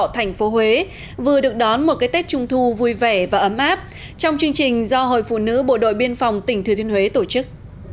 thành phố huế vừa được đón một cái tết trung thu vui vẻ và ấm áp trong chương trình do hội phụ nữ bộ đội biên phòng tỉnh thừa thiên huế tổ chức